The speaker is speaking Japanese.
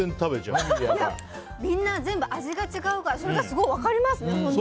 みんな味が違うからそれがすごい分かりますね。